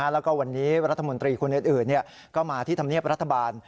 และรัฐมนตรีคุณเออร์นก็มาที่ธรรมเนียบรัฐบาล